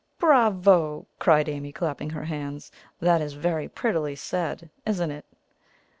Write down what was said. "Bravo!" cried Amy, clapping her hands. "That is very prettily said, isn't it?"